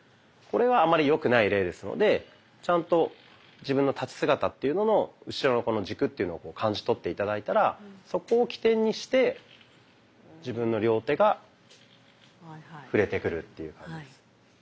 これはあんまりよくない例ですのでちゃんと自分の立ち姿っていうのの後ろの軸というのを感じ取って頂いたらそこを起点にして自分の両手が振れてくるという感じです。